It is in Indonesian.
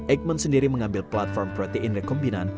eijkman sendiri mengambil platform protein rekombinan